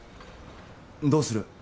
どうする？